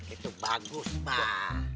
itu bagus bang